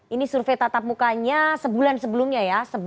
ini survei tatap mukanya sebulan sebelumnya ya